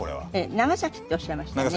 長崎っておっしゃいましたよね？